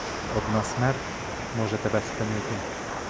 Одна смерть може тебе спинити.